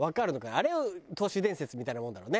あれ都市伝説みたいなもんだろうね。